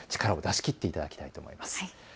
力を出し切っていただきたいと思います。